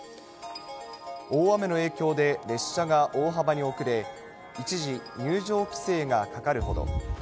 大雨の影響で列車が大幅に遅れ、一時、入場規制がかかるほど。